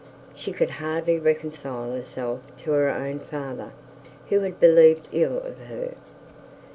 She could hardly reconcile herself to her own father, who had believed ill of her.